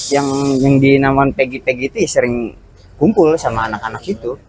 yang dinaman peggy peggy itu ya sering kumpul sama anak anak itu